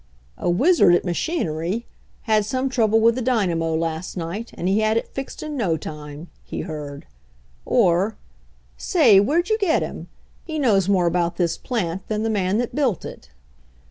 "A wizard at machinery — had some trouble with the dynamo last night, and he had it fixed in no time," he heard. Or, "Say, where'd you get him? He knows more about this plant than the man that built it."